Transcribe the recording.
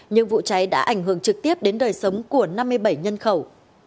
nhưng vụ cháy đã ảnh hưởng trực tiếp đến đời sống của năm mươi bảy nhân khẩu